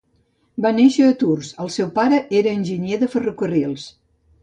Va néixer a Tours, el seu pare era enginyer de ferrocarrils.